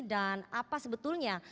dan apa sebetulnya